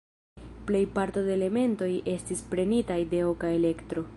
Plejparto de elementoj estis prenitaj de Oka Elektro.